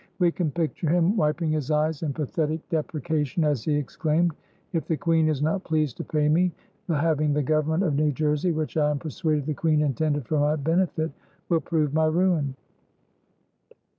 We can picture him wiping his eyes in pathetic deprecation, as he exclaimed: "If the Queen is not pleased to pay me, the having the Government of New Jersey, which I am persuaded the Queen intended for my benefit, will prove my ruin!"